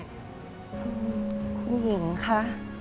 คุณหญิงคะ